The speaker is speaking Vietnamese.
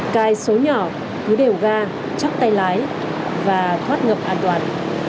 cai số nhỏ cứ đều ga chắc tay lái và thoát ngập an toàn